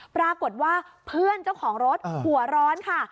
ปรากฏว่าเพื่อนเจ้าของรถหัวร้อนค่ะ